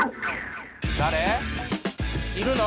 誰？いるの？